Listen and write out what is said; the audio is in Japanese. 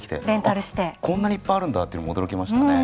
あっこんなにいっぱいあるんだっていうのも驚きましたね。